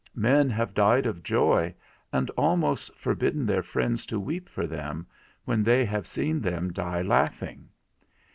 Men have died of joy, and almost forbidden their friends to weep for them, when they have seen them die laughing.